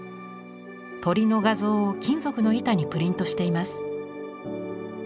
鳥の画像を金属の板にプリントしています。